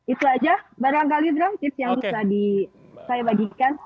itu aja barangkali bram tips yang bisa saya bagikan